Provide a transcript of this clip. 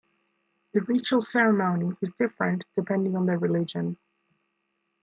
The ritual ceremony is different depending on their religion.